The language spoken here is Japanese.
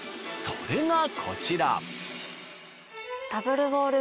それがこちら。